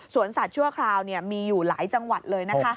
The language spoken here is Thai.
สัตว์ชั่วคราวมีอยู่หลายจังหวัดเลยนะคะ